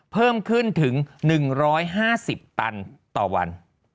เพิ่มขึ้นถึง๑๕๐ตันต่อวัน